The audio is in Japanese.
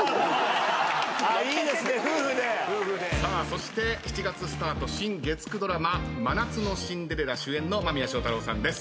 そして７月スタート新月９ドラマ『真夏のシンデレラ』主演の間宮祥太朗さんです。